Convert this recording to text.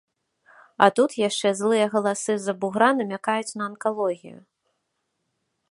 А тут яшчэ злыя галасы з-за бугра намякаюць на анкалогію.